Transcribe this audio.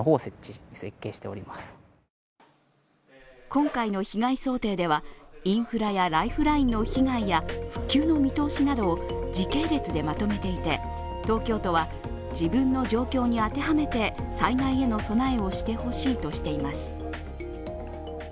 今回の避難想定では、インフラやライフラインの被害や復旧の見通しなどを時系列でまとめていて、東京都は、自分の状況に当てはめて災害への備えをしてほしいとしています。